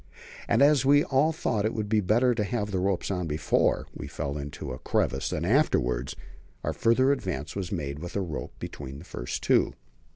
And as we all thought it would be better to have the rope on before we fell into a crevasse than afterwards, our further advance was made with a rope between the first two.